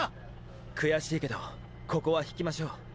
悔しいけどここは引きましょう。